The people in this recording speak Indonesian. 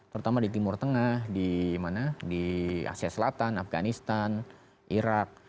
terutama di timur tengah di asia selatan afganistan irak